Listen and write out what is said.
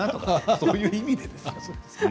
そういう意味ですよ。